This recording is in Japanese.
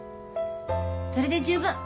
それで十分。